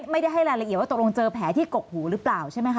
ไม่ได้ให้รายละเอียดว่าตกลงเจอแผลที่กกหูหรือเปล่าใช่ไหมคะ